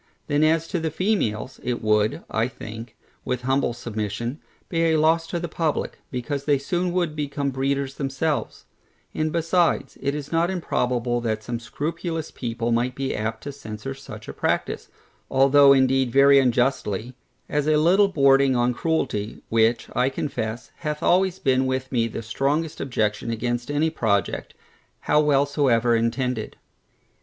Then as to the females, it would, I think, with humble submission, be a loss to the publick, because they soon would become breeders themselves: and besides, it is not improbable that some scrupulous people might be apt to censure such a practice, (although indeed very unjustly) as a little bordering upon cruelty, which, I confess, hath always been with me the strongest objection against any project, how well soever intended.